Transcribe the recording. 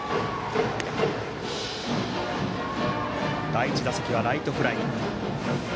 第１打席はライトフライ。